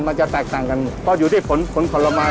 มันจะแตกต่างกันเพราะอยู่ที่ผลผลไม้